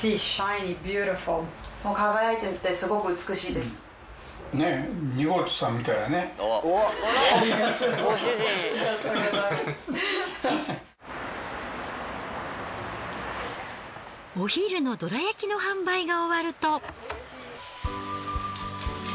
すごい。お昼のどら焼きの販売が終わると。